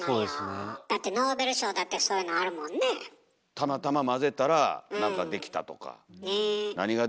たまたま混ぜたら何か出来たとか。ね。